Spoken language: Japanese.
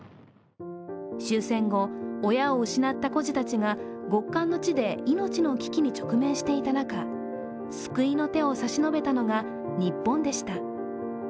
終戦後、親を失った孤児たちが極寒の地で命の危機に直面している中、救いの手を差し伸べたのが日本でした。